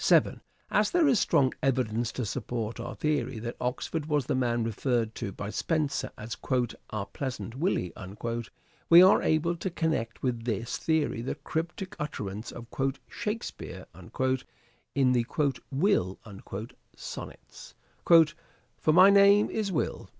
As there is strong evidence to support our theory that Oxford was the man referred to by Spenser as " our pleasant Willie," we are able to connect with this theory the cryptic utterance of " Shakespeare " in the "Will" Sonnets: " For my name is Will."